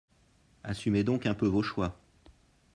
Assumez donc un peu vos choix